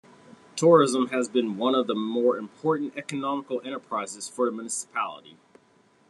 Tourism has been one of the more important economic enterprises for the municipality.